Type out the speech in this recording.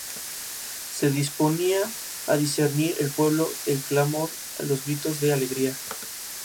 Y no podía discernir el pueblo el clamor de los gritos de alegría